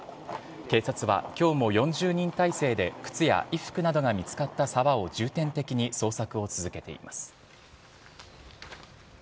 警察はきょうも４０人態勢で、靴や衣服などが見つかった沢を重点的に捜索を続けています。